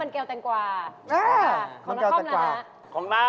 มันเกลียวแต่งกว่านะครับของละครมนะฮะของละครมนะฮะของละครมนะฮะ